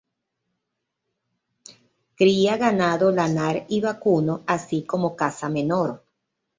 Cría ganado lanar y vacuno, así como caza menor.